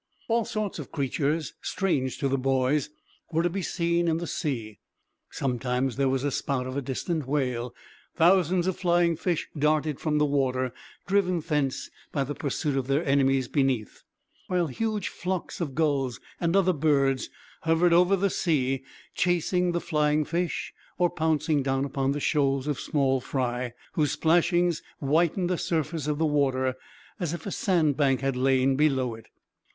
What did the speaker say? All sorts of creatures, strange to the boys, were to be seen in the sea. Sometimes there was a spout of a distant whale. Thousands of flying fish darted from the water, driven thence by the pursuit of their enemies beneath; while huge flocks of gulls and other birds hovered over the sea, chasing the flying fish, or pouncing down upon the shoals of small fry; whose splashings whitened the surface of the water, as if a sandbank had laid below it.